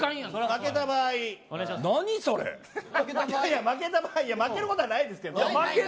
負けた場合負けることはないですけど。